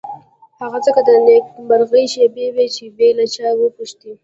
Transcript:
هغه ځکه د نېکمرغۍ شېبې وې چې بې له چا پوښتنې.